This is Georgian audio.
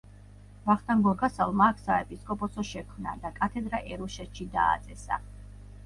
ვახტანგ გორგასალმა აქ საეპისკოპოსო შექმნა და კათედრა ერუშეთში დააწესა.